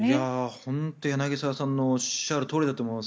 本当に柳澤さんのおっしゃるとおりだと思います。